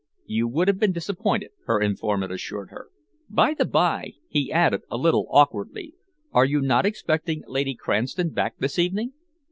"You would have been disappointed," her informant assured her. "By the by," he added, a little awkwardly, "are you not expecting Lady Cranston back this evening?"